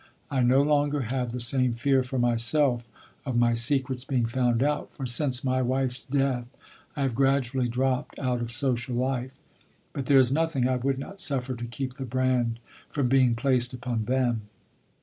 I no longer have the same fear for myself of my secret's being found out, for since my wife's death I have gradually dropped out of social life; but there is nothing I would not suffer to keep the brand from being placed upon them.